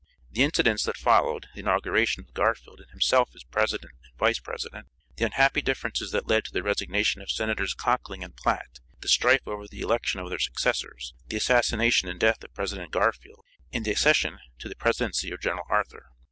The incidents that followed the inauguration of Garfield and himself as President and Vice President; the unhappy differences that led to the resignation of Senators Conkling and Platt; the strife over the election of their successors; the assassination and death of President Garfield, and the accession to the presidency of General Arthur.